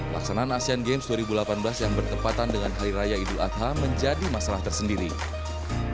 laksanaan asean games dua ribu delapan belas yang bertepatan dengan hari raya idul adha menjadi masalah tersendiri